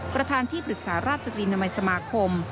ประธานที่ปรึกษาราชตรีนามัยสมาคม